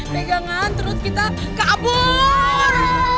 pegangan terus kita kabur